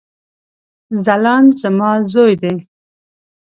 ځلاند زما ځوي دی